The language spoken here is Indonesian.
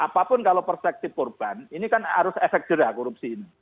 apapun kalau perspektif korban ini kan harus efek jerah korupsi ini